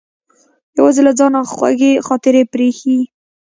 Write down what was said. یوازې له ځانه خوږې خاطرې پرې ایښې.